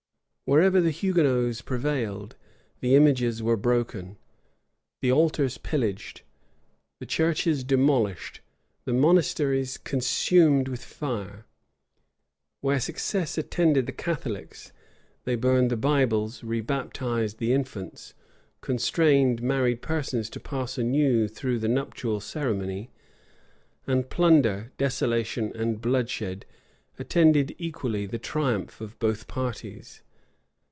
[] Wherever the Hugonots prevailed, the images were broken, the altars pillaged, the churches demolished, the monasteries consumed with fire: where success attended the Catholics, they burned the Bibles, rebaptized the infants, constrained married persons to pass anew through the nuptial ceremony: and plunder, desolation, and bloodshed attended equally the triumph of both parties.